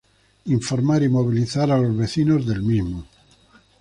informar y movilizar a los vecinos del mismo